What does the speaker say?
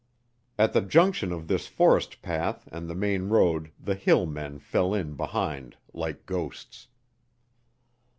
At the junction of this forest path and the main road the hill men fell in behind like ghosts.